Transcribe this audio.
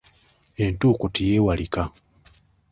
Entuuko teyeewalika.